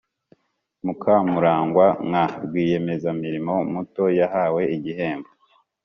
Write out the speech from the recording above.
mukamurangwa nka rwiyemezamirimo muto yahawe igihembo